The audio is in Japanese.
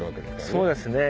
そうですね。